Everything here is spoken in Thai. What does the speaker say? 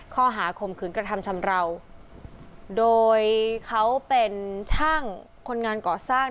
ข้อหาข่มขืนกระทำชำราวโดยเขาเป็นช่างคนงานก่อสร้าง